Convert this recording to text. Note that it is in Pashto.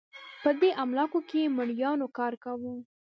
په دې املاکو کې مریانو کار کاوه.